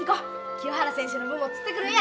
清原先生の分も釣ってくるんや！